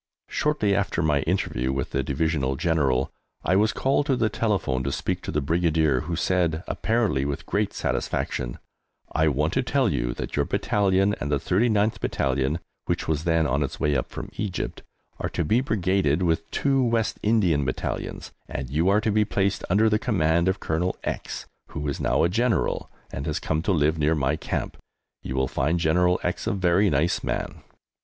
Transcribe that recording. Shortly after my interview with the Divisional General I was called to the telephone to speak to the Brigadier, who said, apparently with great satisfaction, "I want to tell you that your Battalion and the 39th Battalion (which was then on its way up from Egypt) are to be brigaded with two West Indian Battalions, and you are to be placed under the command of Colonel X, who is now a General and has come to live near my camp. You will find General X a very nice man."